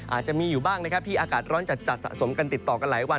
อาจจะมีอยู่บ้างนะครับที่อากาศร้อนจัดสะสมกันติดต่อกันหลายวัน